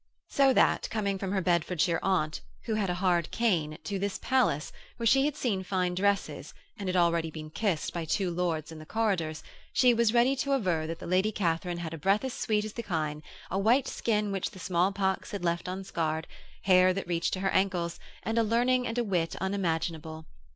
So that, coming from her Bedfordshire aunt, who had a hard cane, to this palace, where she had seen fine dresses and had already been kissed by two lords in the corridors, she was ready to aver that the Lady Katharine had a breath as sweet as the kine, a white skin which the small pox had left unscarred, hair that reached to her ankles, and a learning and a wit unimaginable.